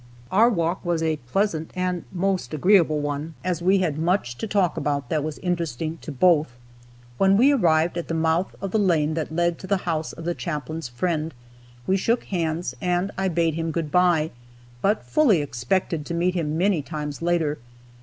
Our walk was a pleasant and most agreeable one, as we had much to talk about that was interesting to both. When we arrived at the mouth of the lane that led to the house of the Chaplain's friend, we shook hands and I bade him good by, but fully expected to meet him many times later.